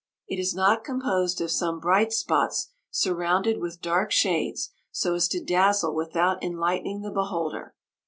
It is not composed of some bright spots surrounded with dark shades, so as to dazzle without enlightening the beholder.